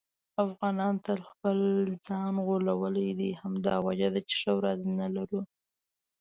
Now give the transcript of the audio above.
افغانانو تل خپل ځان غولولی دی. همدا وجه ده چې ښه ورځ نه لرو.